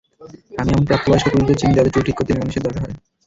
আমি এমন প্রাপ্তবয়স্ক পুরুষদের চিনি যাদের চুল ঠিক করতে মেয়েমানুষের দরকার হয়।